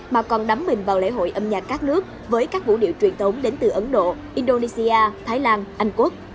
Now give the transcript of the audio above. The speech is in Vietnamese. mà còn đắm mình vào lễ hội âm nhạc các nước với các vũ điệu truyền thống đến từ ấn độ indonesia thái lan anh quốc